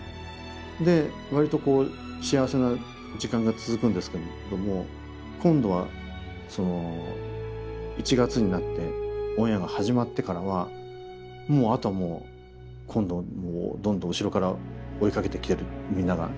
で割とこう幸せな時間が続くんですけども今度はその１月になってオンエアが始まってからはもうあとはもう今度もうどんどん後ろから追いかけてきてるみんなが。